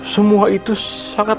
semua itu sangat